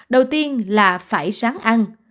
đầu tiên là phải sáng ăn